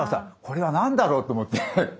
これは何だろうと思って。